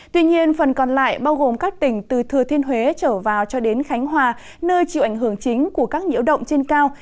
tuy nhiên phần còn lại bao gồm các tỉnh từ thừa thiên huế trở vào cho đến khánh hòa nơi chịu ảnh hưởng chính của các nhiễu động trên cao